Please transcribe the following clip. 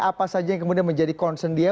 apa saja yang kemudian menjadi concern dia